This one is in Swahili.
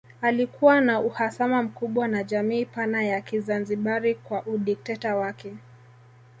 Alikuwa na uhasama mkubwa na jamii pana ya Kizanzibari kwa udikteta wake